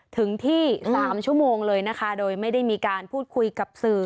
ถึงที่๓ชั่วโมงเลยนะคะโดยไม่ได้มีการพูดคุยกับสื่อ